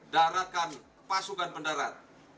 daratkan pasukan pendarat